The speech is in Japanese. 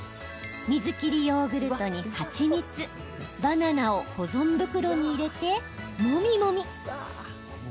水切りヨーグルトに蜂蜜、バナナを保存袋に入れてもみもみ。